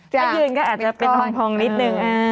ถ้ายืนก็อาจจะเป็นพองนิดนึง